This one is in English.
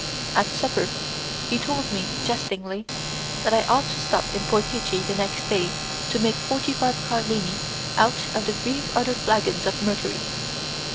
At supper he told me, jestingly, that I ought to stop in Portici the next day to make forty five carlini out of the three other flagons of mercury.